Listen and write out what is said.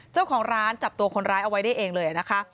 เจ้าของร้านจับตัวคนร้ายเอาไว้ได้เองเลยนะคะ